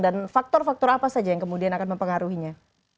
dan faktor faktor apa saja yang kemudian akan mempengaruhinya